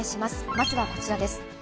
まずはこちらです。